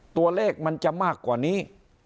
ตัวเลขมันจะมากกว่านี้